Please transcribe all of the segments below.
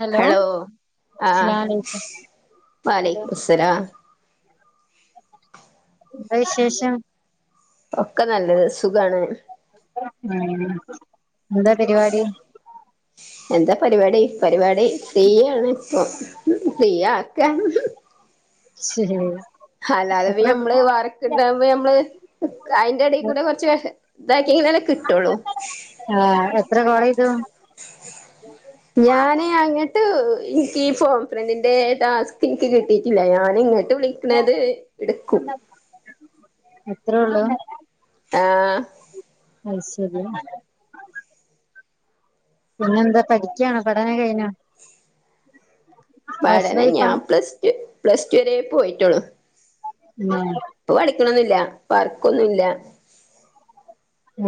Hello ആഹ് [unintelligible] വലൈക്കുമുസ്സലാം എന്താ വിശേഷം ഒക്കെ നല്ലത് സുഖാണ് ഉം എന്താ പരിപാടി എന്താ പരിപാടി പരിപാടി ഫ്രീയാണ് ഇപ്പൊ ഫ്രീ ആക്ക ശരി ഉം അല്ലാതെ നമ്മള് വർക്ക്‌ണ്ടാകുമ്പ നമ്മള് അയിന്റെ എടേകൂടെ കുറച്ച് ഇതാക്കി [unintelligible] കിട്ടുള്ളൂ ആ എത്ര കാൾ ചെയ്തു ഞാന് അങ്ങട്ട് എനിക്ക് ഈ ഫോം ഫ്രണ്ടിന്റെ ടാസ്ക് എനിക്ക് കിട്ടിയിട്ടില്ല ഞാന് ഇങ്ങോട്ട് വിളിക്ക ണത് എടുക്കും അത്ര ഒള്ളൂ ആഹ് അ ശരിയാ പിന്നെന്താ പഠിക്കണോ പഠനം കഴിഞ്ഞോ ഹൗസ് പഠനം വൈഫാ ഞാൻ പ്ലസ് ടു പ്ലസ്ടു വരെ പോയിട്ടോളൂ ഉം ഇപ്പൊ പഠിക്കണൊന്നുല്ല വർക്കൊന്നുല്ല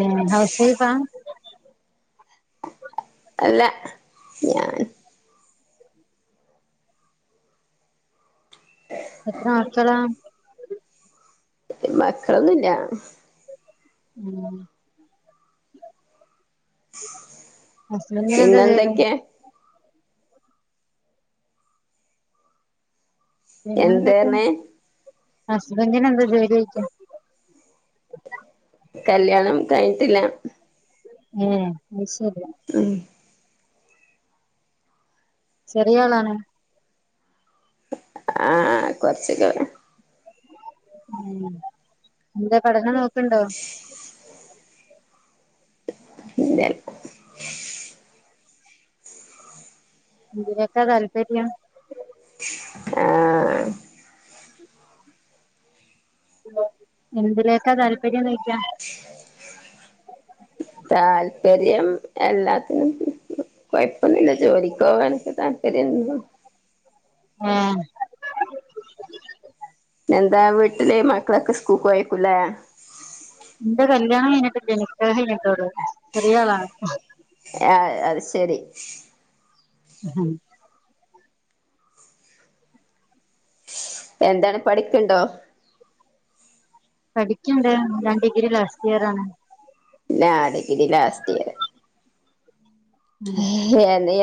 ഏ ഹൗസ് വൈഫ്‌ ആഹ് അല്ല ഞാൻ എത്ര ആൾക്കള മക്കളൊന്നുല്ല [unintelligible] ഹസ്ബന്റിന് എന്താ ജോലി? പിന്നെന്തൊക്കെയാ എന്ത പറഞ്ഞേ ഹസ്ബൻറിന് എന്താ ജോലിയൊയ്ക്ക കല്യാണം കഴിഞ്ഞിട്ടില്ല ഉം അ ശരി ഉ ചെറിയളാണ് ആഹ് കൊറച്ചക്ക ഉ എന്താ പഠനം നോക്കണ്ടോ ഇതല്ല ഇക്കെ താല്പര്യം ആഹ് എന്തിലേക്കാ താല്പര്യം നയിക്കാ താല്പര്യം എല്ലാത്തിനും കുഴപ്പൊന്നില്ല ജോലിക്കോ വനൊക്കെ താല്പര്യംന്ന ആഹ് എന്താ വീട്ടിലെ മക്കളൊക്കെ സ്കൂൾയിക്കൂലേ ന്റെ കല്യാണം കഴിഞ്ഞിട്ടില്ല നികാഹ് കഴിഞ്ഞിട്ടൊള്ളു ചെറിയ ആളാണ് ആഹ് അത് ശരി ഹം എന്താണ് പഠിക്ക്ണ്ടോ പഠിക്ക്ണ്ട് ഞാൻ ഡിഗ്രി ലാസ്റ്റ് ഇയർ ആണ് ഞാൻ ഡിഗ്രി ലാസ്റ്റ് ഇയർ ഉം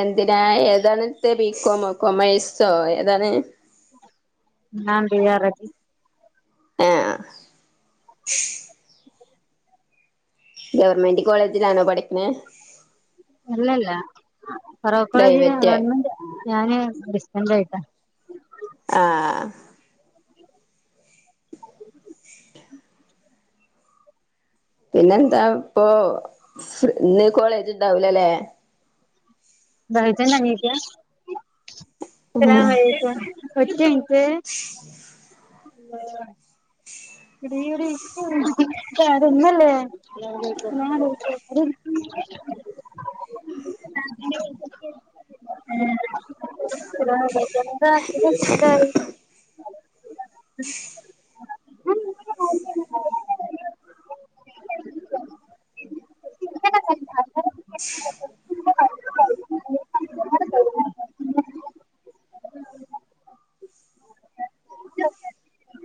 എന്തിനാ ഏതാണ് പിക്കോമോ കോമഴസോ ഏതാണ് നന്ദി വാരത്തി ആഹ ഗവൺമെന്റ് കോളേജിലാണോ പഠിക്ക്ണെ അല്ലല്ല ഫാറൂഖ് കോളേജിലാ പ്രൈവറ്റ് ഗവൺമെന്റ് ഞാന് എന്ത ആയിട്ടാ ആഹ പിന്നെന്താ ഇപ്പൊ ഇന്ന് കോളേജ് ഇണ്ടാവൂലല്ലേ തായിത നീക്ക് അസ്സലാമുഅലൈക്കും ഒറ്റ മിന്റ്റെ അല്ലാഹ് ഇടി ഇടി ഇതാരാ ഇമ്മല്ല അസ്സലാമുഅലൈക്കും ഉ [unintelligible] ഉം എന്താണ്ടായി [unintelligible] [inaudible]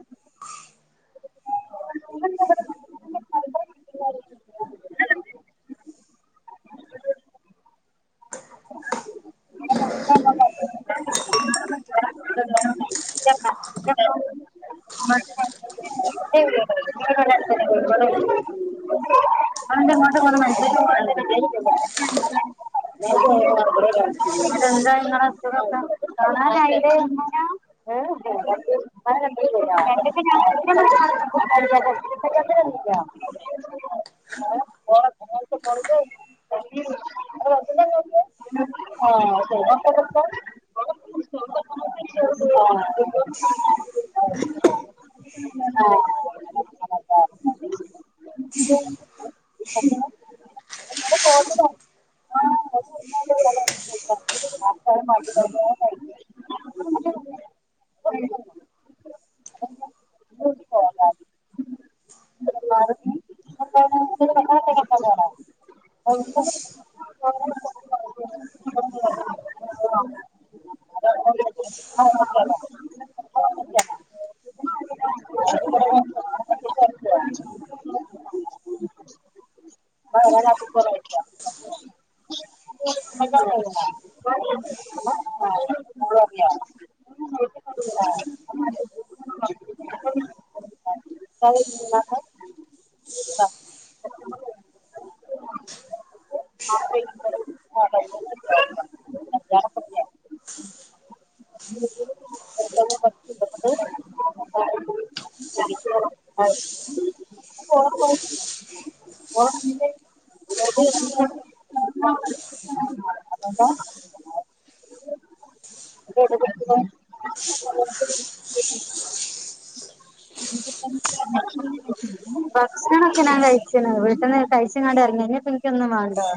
[inaudible] [inaudible] [inaudible] [inaudible] എന്താങ്ങളൊക്കെ [inaudible] [inaudible] [inaudible] [inaudible] ആ ആഹ ആ [inaudible] ഭക്ഷണൊക്കെ ഞാൻ കഴിച്ണ് വീട്ടിന്ന് കഴിച്കാണ്ട് ഇറങ്ങി ഇനിപ്പോ ന്ക്കൊന്നും വാണ്ടാ